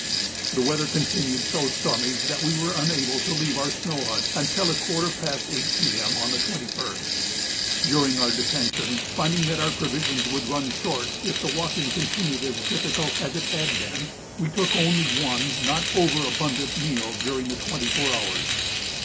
The weather continued so stormy that we were unable to leave our snow hut until a quarter past 8 P.M. on the 21st. During our detention, finding that our provisions would run short if the walking continued as difficult as it had been, we took only one not overabundant meal during the twenty four hours.